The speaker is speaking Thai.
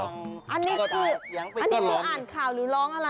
อันนี้คืออันนี้คืออ่านข่าวหรือร้องอะไร